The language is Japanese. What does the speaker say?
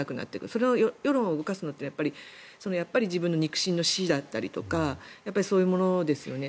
その世論を動かすのって自分の肉親の死だったりとかそういうのですよね。